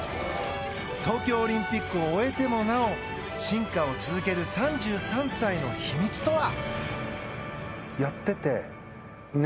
東京オリンピックを終えてもなお進化を続ける３３歳の秘密とは。